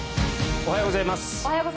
おはようございます。